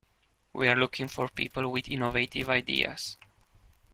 We are looking for people with innovative ideas.